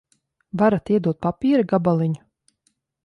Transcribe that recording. Varat iedot papīra gabaliņu?